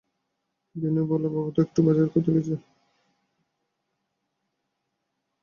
বিনু বলল, বাবা তো একটু বাজার করতে গিয়েছে।